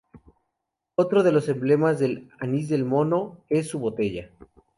Otro de los emblemas del "Anís del Mono" es su botella.